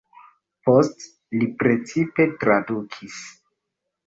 Poste li precipe tradukadis.